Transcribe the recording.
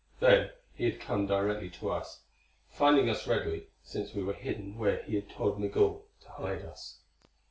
Then he had come directly to us, finding us readily since we were hidden where he had told Migul to hide us.